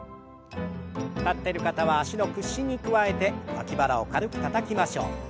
立ってる方は脚の屈伸に加えて脇腹を軽くたたきましょう。